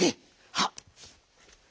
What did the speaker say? はっ。